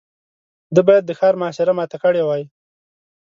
ده بايد د ښار محاصره ماته کړې وای.